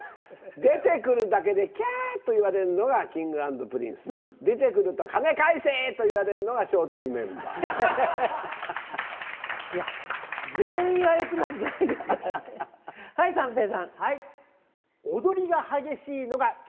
出てくるだけできゃーと言われるのがＫｉｎｇ＆Ｐｒｉｎｃｅ、出てくると金返せと言われるのが笑点メンバー。